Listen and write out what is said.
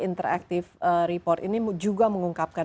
interactive report ini juga mengungkapkan